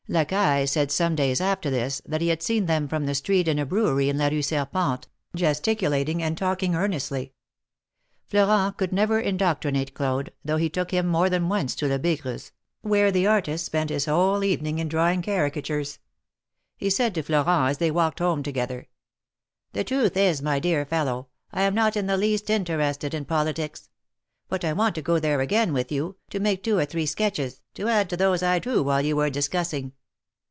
Lacaille said some days after this, that he had seen them from the street in a brewery in La Rue Serpente, gesticulating and talking earnestly. Florent could never indoctrinate Claude, though he took him more than once to Lebigre's, where the artist spent his whole evening in drawing caricatures. He said to Florent as they walked home together: ''The truth is, my dear fellow, I am not in the least in terested in politics; but I want to go there again with you, to make two or three sketches, to add to those I drew while you were discussing.